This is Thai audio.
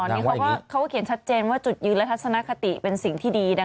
นี่เขาก็เขียนชัดเจนว่าจุดยืนและทัศนคติเป็นสิ่งที่ดี